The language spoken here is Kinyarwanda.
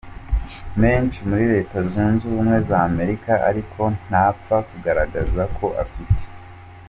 menshi muri Reta zunze ubumwe zAmerika ariko ntapfa kugaragaza ko afite.